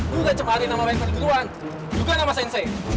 lo gak cemarin sama wendel duluan juga sama sensei